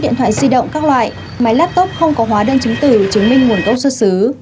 điện thoại di động các loại máy laptop không có hóa đơn chứng tử chứng minh nguồn gốc xuất xứ